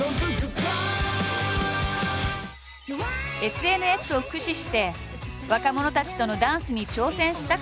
ＳＮＳを駆使して若者たちとのダンスに挑戦したかと思えば。